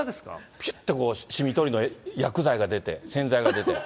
ぴゅってしみ取りの薬剤が出て、洗剤が出て。